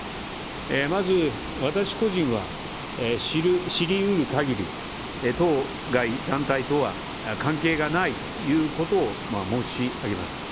まず、私個人は知りうる限り当該団体とは関係がないということを申し上げます。